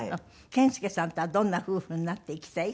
健介さんとはどんな夫婦になっていきたい？